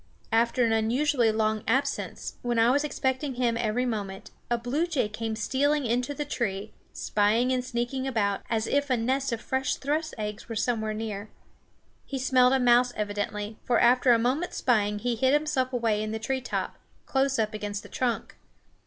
After an unusually long absence, when I was expecting him every moment, a blue jay came stealing into the tree, spying and sneaking about, as if a nest of fresh thrush's eggs were somewhere near. He smelled a mouse evidently, for after a moment's spying he hid himself away in the tree top, close up against the trunk.